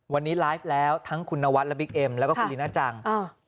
วันนี้ไลฟ์แล้วทั้งคุณนวัดและบิ๊กเอ็มแล้วก็คุณลีน่าจัง